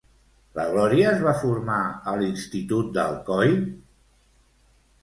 La Gloria es va formar a l'institut d'Alcoi?